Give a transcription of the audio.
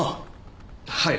はい。